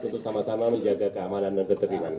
untuk sama sama menjaga keamanan dan ketertiban